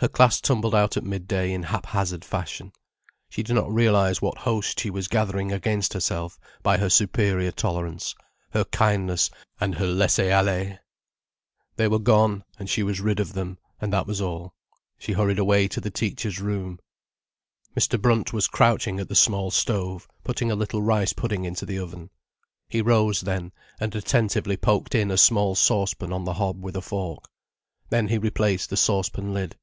Her class tumbled out at midday in haphazard fashion. She did not realize what host she was gathering against herself by her superior tolerance, her kindness and her laisser aller. They were gone, and she was rid of them, and that was all. She hurried away to the teachers' room. Mr. Brunt was crouching at the small stove, putting a little rice pudding into the oven. He rose then, and attentively poked in a small saucepan on the hob with a fork. Then he replaced the saucepan lid.